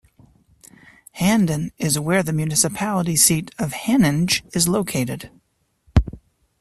Handen is where the municipality seat of Haninge is located.